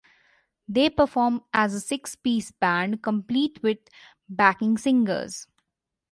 They perform as a six-piece band complete with backing singers.